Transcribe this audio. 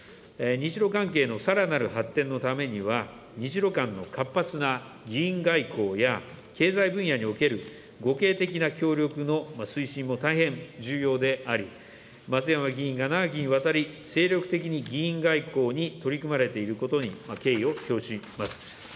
日露関係のさらなる発展のためには、日露間の活発な議員外交や、経済分野における互恵的な協力の推進も大変重要であり、松山議員が長きにわたり精力的に議員外交に取り組まれていることに敬意を表します。